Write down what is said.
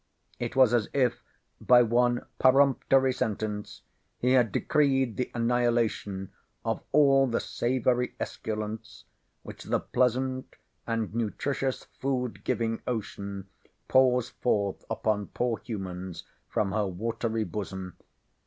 It was as if by one peremptory sentence he had decreed the annihilation of all the savory esculents, which the pleasant and nutritious food giving Ocean pours forth upon poor humans from her watery bosom.